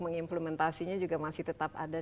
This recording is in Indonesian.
mengimplementasinya juga masih tetap ada